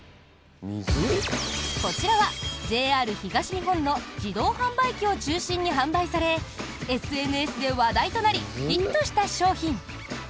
こちらは、ＪＲ東日本の自動販売機を中心に販売されＳＮＳで話題となりヒットした商品。